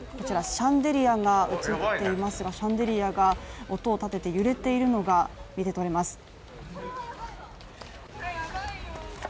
こちらシャンデリアが映ってますがシャンデリアが音を立てて揺れているのが見て取れます。